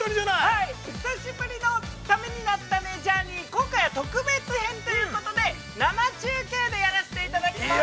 ◆はい、久しぶりの「タメになったねジャーニー」、今回は特別編ということで、生中継でやらせていただきます。